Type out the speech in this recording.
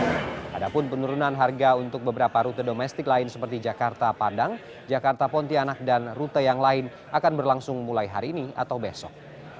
padahal penurunan harga untuk beberapa rute domestik lain seperti jakarta padang jakarta pontianak dan rute yang lain akan berlangsung mulai hari ini atau besok